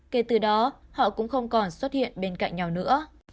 kể từ đó họ cũng không còn xuất hiện bên cạnh nhau nữa